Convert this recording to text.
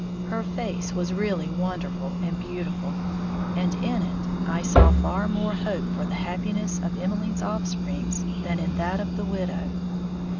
Her face was really wonderful and beautiful, and in it I saw far more hope for the happiness of Emmeline's offsprings than in that of the "widow."